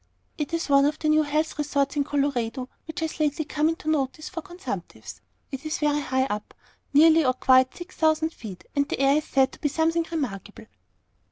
"It is one of the new health resorts in Colorado which has lately come into notice for consumptives. It's very high up; nearly or quite six thousand feet, and the air is said to be something remarkable."